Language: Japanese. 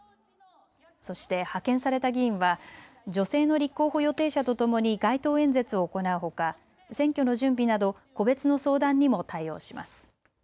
そして派遣された議員は女性の立候補予定者とともに街頭演説を行うほか選挙の準備など個別の相談にも対応します。